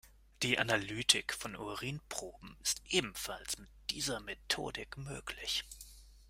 Die Analytik von Urinproben ist ebenfalls mit dieser Methodik möglich.